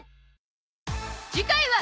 次回は